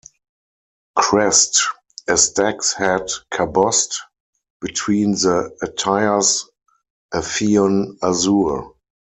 Crest: a stag's head cabossed, between the attires a pheon azure.